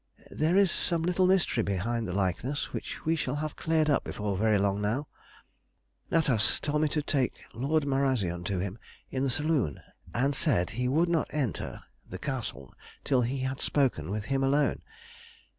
There is some little mystery behind the likeness which we shall have cleared up before very long now. Natas told me to take Lord Marazion to him in the saloon, and said he would not enter the Castle till he had spoken with him alone.